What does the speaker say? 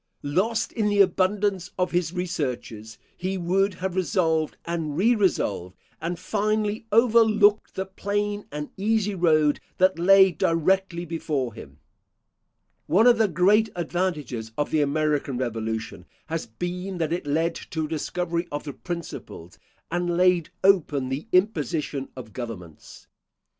Lost in the abundance of his researches, he would have resolved and re resolved, and finally overlooked the plain and easy road that lay directly before him. One of the great advantages of the American Revolution has been, that it led to a discovery of the principles, and laid open the imposition, of governments.